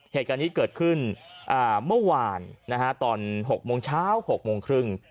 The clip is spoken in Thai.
เหตุการณ์นี้เกิดขึ้นเมื่อวานตอน๖โมงเช้า๖โมงครึ่ง